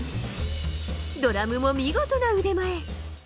ドラムも見事な腕前。